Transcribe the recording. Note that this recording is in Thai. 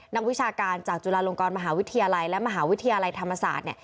วิชาการจากจุฬาลงกรมหาวิทยาลัยและมหาวิทยาลัยธรรมศาสตร์